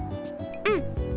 うん！